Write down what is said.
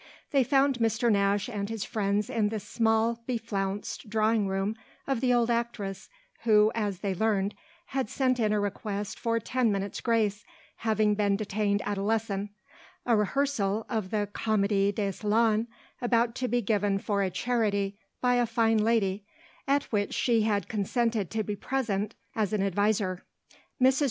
They found Mr. Nash and his friends in the small beflounced drawing room of the old actress, who, as they learned, had sent in a request for ten minutes' grace, having been detained at a lesson a rehearsal of the comédie de salon about to be given for a charity by a fine lady, at which she had consented to be present as an adviser. Mrs.